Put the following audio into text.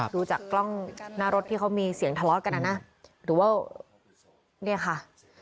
ดูจากกล้องนารถที่เขามีเสียงทะเลาะกันนะหรือว่า